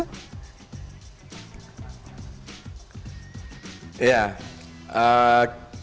ya kita sewa kapal penisi